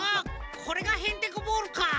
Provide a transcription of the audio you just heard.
これがヘンテコボールかぁ。